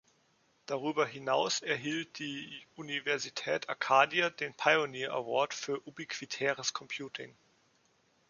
Darüber hinaus erhielt die Universität Acadia den Pioneer Award für Ubiquitäres Computing.